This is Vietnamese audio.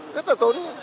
rất là tốn